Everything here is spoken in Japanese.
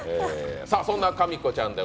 そんなかみこちゃん